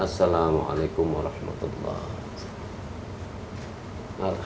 assalamualaikum warahmatullahi wabarakatuh